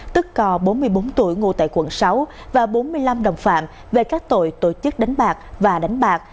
tức cò bốn mươi bốn tuổi ngụ tại quận sáu và bốn mươi năm đồng phạm về các tội tổ chức đánh bạc và đánh bạc